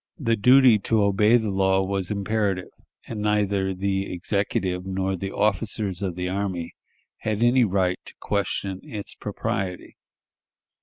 The duty to obey the law was imperative, and neither the Executive nor the officers of the army had any right to question its propriety.